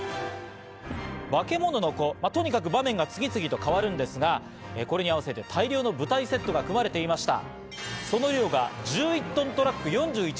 『バケモノの子』、とにかく場面が次々と変わるんですが、これに合わせて大量の舞台セットが組まれていました。